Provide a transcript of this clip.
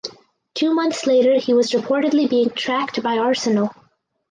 Two months later he was reportedly being tracked by Arsenal.